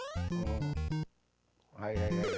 はいはいはい。